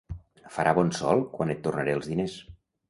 Farà bon sol quan et tornaré els diners.